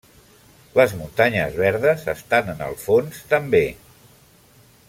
Les Muntanyes Verdes estan en el fons també.